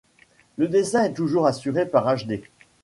Le dessin est toujours assuré par Achdé.